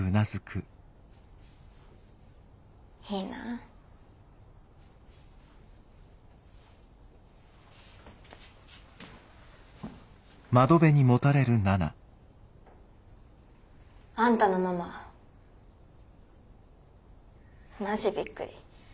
いいなあ。あんたのマママジビックリ。